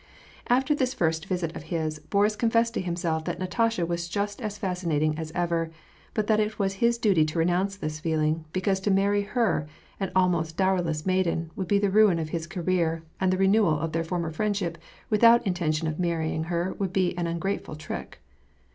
After this first visit of his, Boris confessed to himself that Katasha was just as fascinating as ever, but that it was his duty to renounce this feeling, because to marry her, an almost dowerless maiden, would be the ruin of his career, and the re newal of their former friendship without intention of marry ing her would be an ungrateful trick.